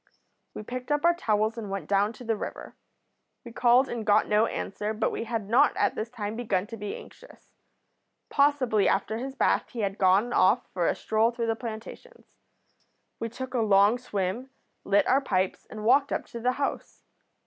We picked up our towels and went down to the river. We called and got no answer, but we had not at this time begun to be anxious. Possibly after his bath he had gone off for a stroll through the plantations. We took a long swim, lit our pipes, and walked up to the house.